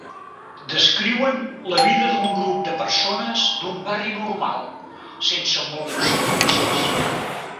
Descriuen la vida d'un grup de persones d'un barri normal, sense molts luxes.